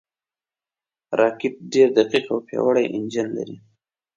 راکټ ډېر دقیق او پیاوړی انجن لري